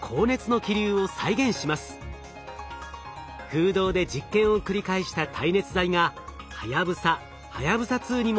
風洞で実験を繰り返した耐熱材がはやぶさはやぶさ２にも使用されました。